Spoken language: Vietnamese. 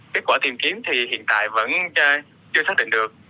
kết quả tìm kiếm thì hiện tại vẫn chưa xác định được